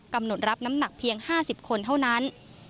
รับน้ำหนักเพียง๕๐คนเท่านั้น